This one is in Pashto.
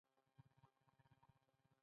د آوازونو غږیز نږدېوالی د تېروتنې لامل ګرځي